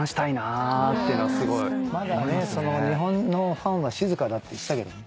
まだ日本のファンは静かだって言ってたけどね。